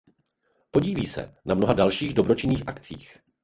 Podílí se na mnoha dalších dobročinných akcích.